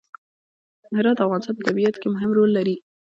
هرات د افغانستان په طبیعت کې مهم رول لري.